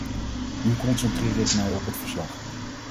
Nu concentreer ik mij op het verslag.